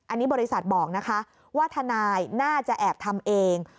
อันนี้บริษัทบอกนะคะว่าทนายน่าจะแอบทำเอง